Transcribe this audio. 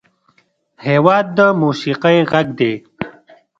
هېواد د موسیقۍ غږ دی.